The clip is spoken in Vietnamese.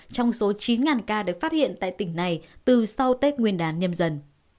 trong số chín ca được phát hiện tại tỉnh này từ sau tết nguyên đán nhâm dần